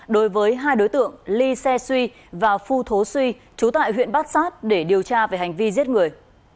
đối với hai đối tượng ly xe xuy và phu thố xuy trú tại huyện bát sát để điều tra về hành vi giết người